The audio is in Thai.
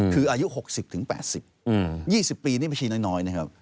คืออายุ๖๐๘๐๒๐ปีนี่บัญชีน้อยนะครับ